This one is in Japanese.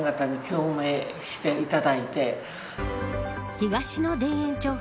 東の田園調布